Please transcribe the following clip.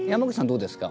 どうですか？